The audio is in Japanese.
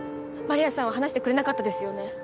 丸谷さんは話してくれなかったですよね。